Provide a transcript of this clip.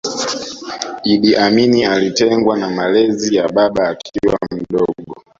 Iddi Amini alitengwa na malezi ya baba akiwa mdogo